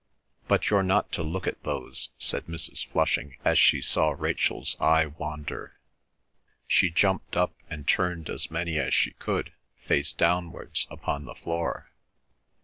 "But you're not to look at those," said Mrs. Flushing as she saw Rachel's eye wander. She jumped up, and turned as many as she could, face downwards, upon the floor.